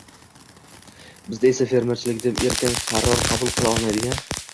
Bizda esa «fermerchilik» deb erkin qaror qabul qila olmaydigan